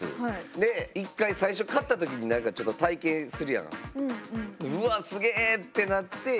で一回最初買った時に何かちょっと体験するやん。